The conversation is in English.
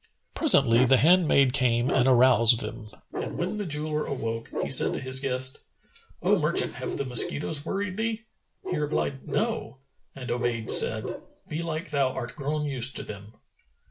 Presently, the handmaid came and aroused them; and when the jeweller awoke, he said to his guest, "O merchant have the mosquitoes worried thee?" He replied, "No," and Obayd said, "Belike thou art grown used to them."